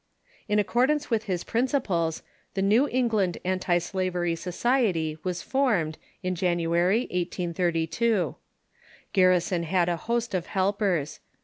In accordance with his principles, the New England Antislavery Societ}^ was formed, in January, 1832. Garrison had a host of helpers.